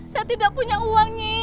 saya tidak punya uang nih